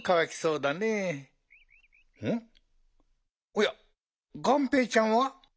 おやがんぺーちゃんは？